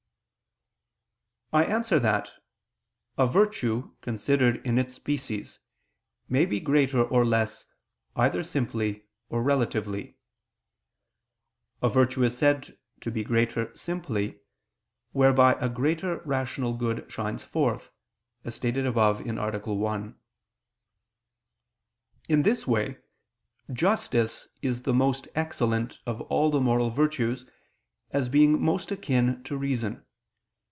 I answer that, A virtue considered in its species may be greater or less, either simply or relatively. A virtue is said to be greater simply, whereby a greater rational good shines forth, as stated above (A. 1). In this way justice is the most excellent of all the moral virtues, as being most akin to reason.